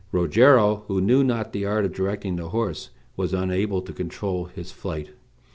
Rogero, who knew not the art of directing the horse, was unable to control his flight.